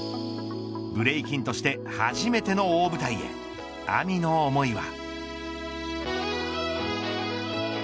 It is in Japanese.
ブレイキンとして初めての大舞台へＡｍｉの思いは。